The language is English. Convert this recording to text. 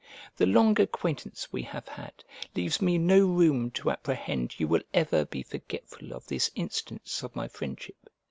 The long acquaintance we have had leaves me no room to apprehend you will ever be forgetful of this instance of my friendship.